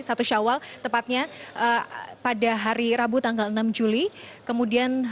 satu syawal tepatnya pada hari rabu tanggal enam juli kemudian